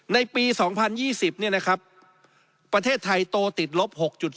ในปี๒๐๒๐เนี่ยนะครับประเทศไทยโตติดลบ๖๒